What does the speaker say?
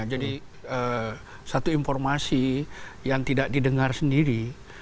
jadi satu informasi yang tidak didengar sendiri